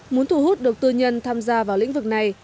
muốn thu hút được tư nhân tham gia vào lĩnh vực này